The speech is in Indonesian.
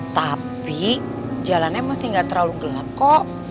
tapi jalannya masih gak terlalu gelap kok